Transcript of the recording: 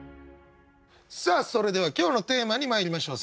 さあそれでは今日のテーマにまいりましょう。